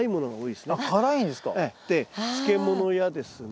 で漬物やですね